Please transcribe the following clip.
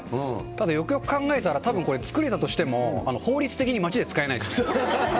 ただ、よくよく考えたら、たぶんこれ、作れたとしても、法律的に街で使えないですね。